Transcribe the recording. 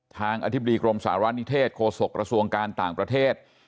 อธิบดีกรมสารณิเทศโฆษกระทรวงการต่างประเทศ